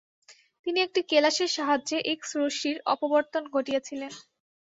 তিনি একটি কেলাসের সাহায্যে এক্স রশ্মির অপবর্তন ঘটিয়েছিলেন।